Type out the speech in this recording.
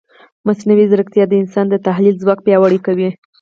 مصنوعي ځیرکتیا د انسان د تحلیل ځواک پیاوړی کوي.